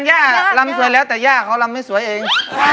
อยากจะบอกว่าลันย่าลำสวยนะ